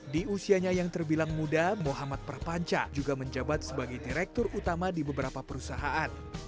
di usianya yang terbilang muda muhammad perpanca juga menjabat sebagai direktur utama di beberapa perusahaan